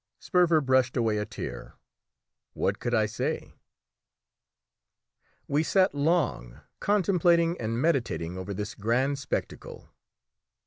Sperver brushed away a tear. What could I say? We sat long contemplating and meditating over this grand spectacle.